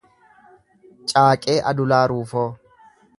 Caaqee Adulaa Ruufoo